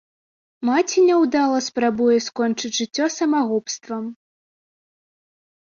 Маці няўдала спрабуе скончыць жыццё самагубствам.